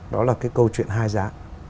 đó là cái câu chuyện hai giá